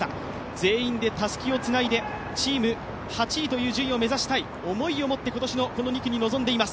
全員でたすきをつないで、チーム８位という順位を目指したい、思いを持ってこの２区に臨んでいます。